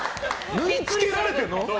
縫い付けられてるの？